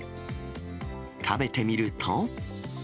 食べてみると。